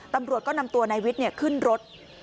ตำรวจก็นำตัวนายวิทย์ขึ้นรถ